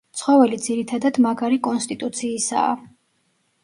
ცხოველი ძირითადად მაგარი კონსტიტუციისაა.